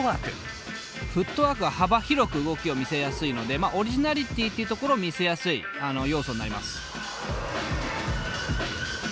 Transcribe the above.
フットワークは幅広く動きを見せやすいのでオリジナリティーっていうところを見せやすい要素になります。